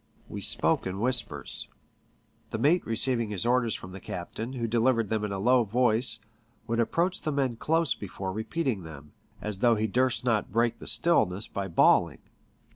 We spoke in whispers. The mate receiving his orders from the captain, who delivered them in a low voice, would approach the men close before repeating them, as though he durst not break the stillness by bawling.